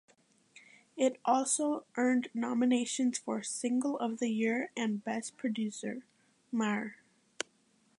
It also earned nominations for Single of the Year and Best Producer (Myhre).